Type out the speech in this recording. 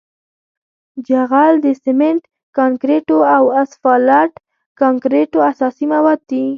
جغل د سمنټ کانکریټو او اسفالټ کانکریټو اساسي مواد دي